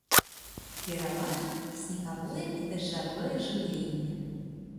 Пераважна снегавое і дажджавое жыўленне.